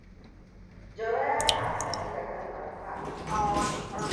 Jauro ya yi amfani da kalmar F.